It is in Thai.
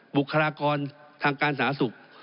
บุคลากรทางการสนาสุข